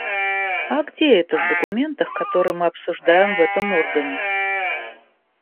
А где это в документах, которые мы обсуждаем в этом органе?